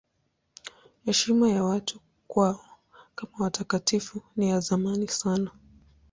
Heshima ya watu kwao kama watakatifu ni ya zamani sana.